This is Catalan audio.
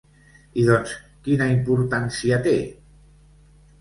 I, doncs, quina importància té?